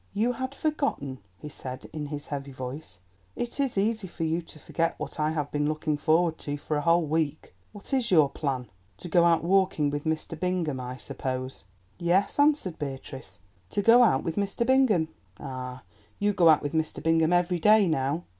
"You had forgotten," he said in his heavy voice; "it is easy for you to forget what I have been looking forward to for a whole week. What is your plan—to go out walking with Mr. Bingham, I suppose?" "Yes," answered Beatrice, "to go out with Mr. Bingham." "Ah! you go out with Mr. Bingham every day now."